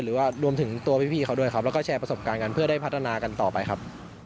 หรือว่ารวมถึงตัวพี่เขาด้วยครับแล้วก็แชร์ประสบการณ์กันเพื่อได้พัฒนากันต่อไปครับ